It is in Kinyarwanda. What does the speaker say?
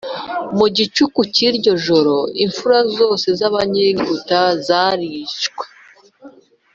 Mu gicuku cy’iryo joro imfura zose z’Abanyegiputa zarishwe.